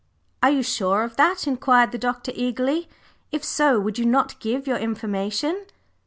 "Are you sure of that?" inquired the Doctor, eagerly. "If so, would you not give your information.